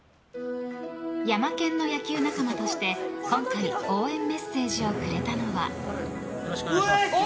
ヤマケンの野球仲間として今回応援メッセージをくれたのは。